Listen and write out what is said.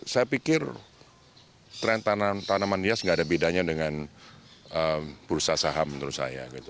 saya pikir tren tanaman hias nggak ada bedanya dengan bursa saham menurut saya